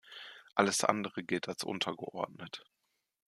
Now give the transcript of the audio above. Alles andere gilt als untergeordnet.